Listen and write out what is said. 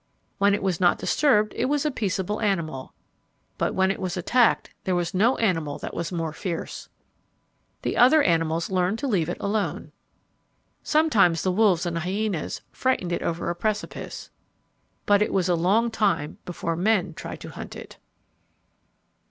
When it was not disturbed it was a peaceable animal. But when it was attacked there was no animal that was more fierce. The other animals learned to let it alone. Sometimes the wolves and hyenas frightened it over a precipice. But it was a long time before men tried to hunt it.